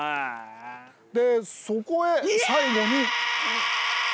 でそこへ最後に。